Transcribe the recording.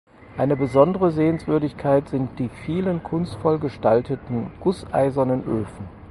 Eine besondere Sehenswürdigkeit sind die vielen kunstvoll gestalteten gusseisernen Öfen.